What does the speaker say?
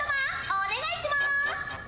お願いします。